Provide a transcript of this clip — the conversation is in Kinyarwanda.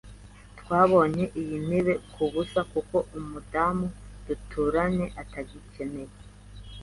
Twabonye iyi ntebe kubusa kuko umudamu duturanye atagikeneye.